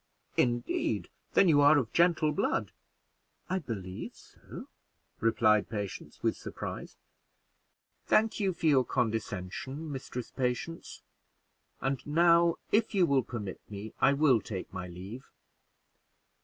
"Indeed! then you are of gentle blood?" "I believe so," replied Patience, with surprise. "Thank you for your condescension, Mistress Patience; and now, if you will permit me, I will take my leave."